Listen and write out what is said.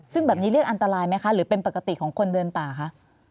ซึ่งแบบนี้เรื่องอันตรายไหมคะหรือเป็นปกติของคนเดินป่าคะ